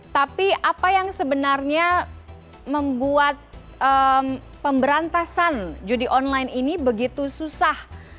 tapi apa yang sebenarnya membuat pemberantasan judi online ini begitu susah